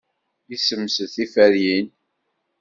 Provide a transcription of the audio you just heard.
Yessemsed tiferyin.